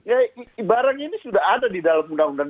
ya barang ini sudah ada di dalam undang undang